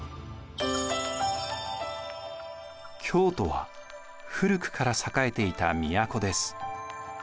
京都は古くから栄えていた都です。